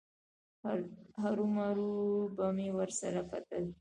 هرومرو به مې ورسره کتل.